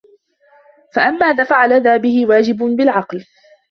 فَأَمَّا دَفْعُ الْأَذَى بِهِ فَوَاجِبٌ بِالْعَقْلِ